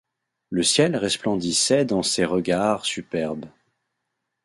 Le ciel resplendissait dans ses regards superbes ;